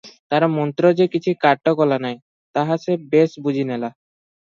ତାର ମନ୍ତ୍ର ଯେ କିଛି କାଟ କଲା ନାହିଁ, ତାହା ସେ ବେଶ୍ ବୁଝିନେଲା ।